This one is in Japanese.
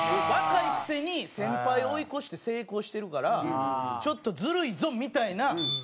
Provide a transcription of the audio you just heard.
若いくせに先輩追い越して成功してるからちょっとずるいぞみたいな。